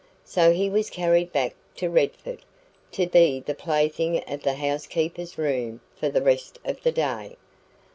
So he was carried back to Redford, to be the plaything of the housekeeper's room for the rest of the day.